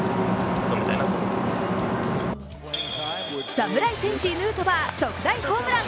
侍戦士・ヌートバー特大ホームラン。